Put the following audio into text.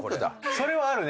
それはあるね